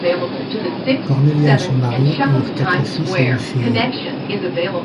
Cornelia et son mari eurent quatre fils et une fille.